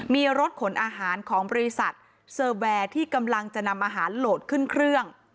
มีรถขนอาหารของบริษัทเซอร์แวร์ที่กำลังจะนำอาหารโหลดขึ้นเครื่อง